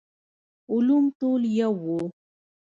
علوم ټول يو وو.